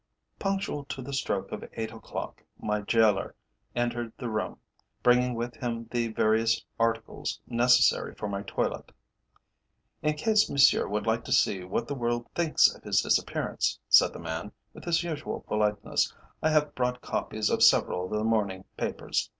Punctual to the stroke of eight o'clock my gaoler entered the room, bringing with him the various articles necessary for my toilet. "In case Monsieur would like to see what the world thinks of his disappearance," said the man, with his usual politeness, "I have brought copies of several of the morning papers.